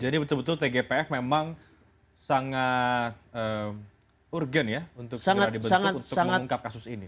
jadi betul betul tgpf memang sangat urgen ya untuk segera dibentuk untuk mengungkap kasus ini